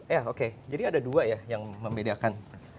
ya oke jadi ada dua ya yang membedakan